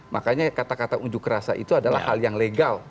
makanya kata kata unjuk rasa itu adalah hal yang legal